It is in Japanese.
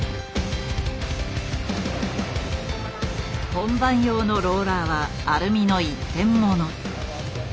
本番用のローラーはアルミの一点もの。